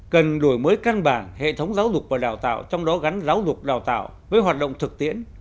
cần đổi mới căn bản hệ thống giáo dục và đào tạo trong đó gắn giáo dục đào tạo với hoạt động thực tiễn